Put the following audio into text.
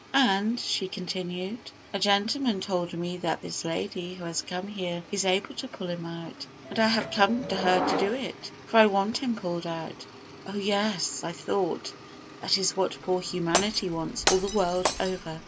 "And," she continued, "a gentleman told me that this lady who has come here is able to pull him out, and I have come to her to do it, for I want him pulled out." Oh, yes! I thought, that is what poor humanity wants all the world over.